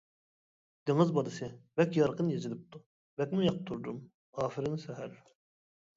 «دېڭىز بالىسى» بەك يارقىن يېزىلىپتۇ. بەكمۇ ياقتۇردۇم. ئاپىرىن سەھەر!